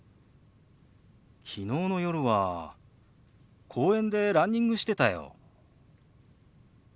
昨日の夜は公園でランニングしてたよ。